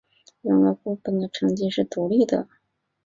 两个部分的成绩是独立的。